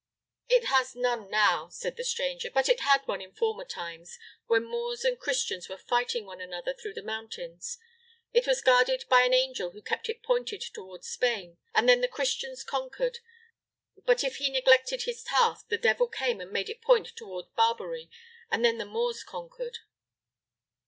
"It has none now," said the stranger, "but it had one in former times, when Moors and Christians went fighting one another through the mountains. It was guarded by an angel who kept it pointed toward Spain, and then the Christians conquered; but if he neglected his task, the devil came and made it point toward Barbary, and then the Moors conquered."